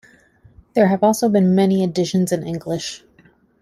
There have also been many editions in English.